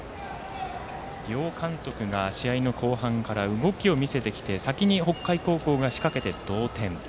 両監督が試合の後半から動きを見せてきて先に北海高校が仕掛けて同点。